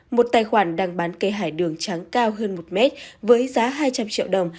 một tài khoản đang bán cây hải đường trắng cao hơn một mét với giá hai trăm linh triệu đồng